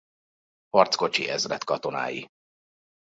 Harckocsi Ezred katonái.